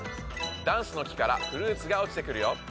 ダンスの木からフルーツがおちてくるよ。